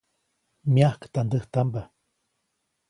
Myajktandäjtamba.